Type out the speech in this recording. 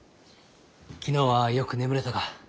昨日はよく眠れたか？